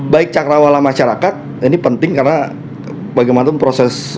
baik cakrawala masyarakat ini penting karena bagaimanapun proses